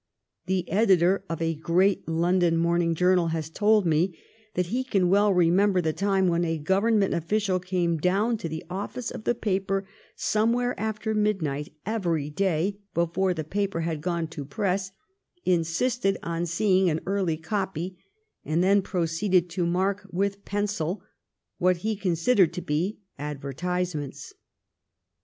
The editor of a great London morning journal has told me that he can well remember the time when a Govern ment official came down to the office of the paper somewhere after midnight every day before the paper had gone to press, insisted on seeing an early copy, and then proceeded to mark with pen cil what he considered to be advertisements.